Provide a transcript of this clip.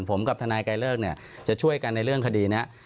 ผมกับทนายกายเลิกจะช่วยกันในเรื่องคดีนี้